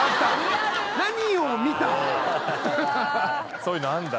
そういうのあるんだな。